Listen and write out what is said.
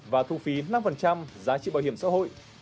và thu phí năm giá trị bảo hiểm xã hội